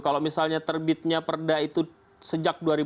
kalau misalnya terbitnya perda itu sejak dua ribu lima